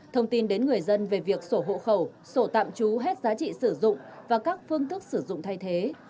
thông tin đến người dân về việc sổ hộ khẩu sổ tạm trú hết giá trị sử dụng và các phương thức sử dụng thay thế